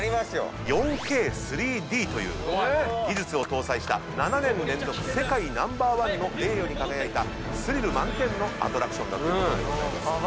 ４Ｋ３Ｄという技術を搭載した７年連続世界ナンバーワンの栄誉に輝いたスリル満点のアトラクションでございます。